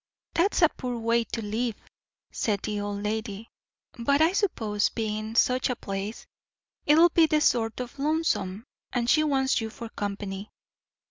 "That's a poor way to live," said the old lady. "But I suppose, bein' such a place, it'll be sort o' lonesome, and she wants you for company.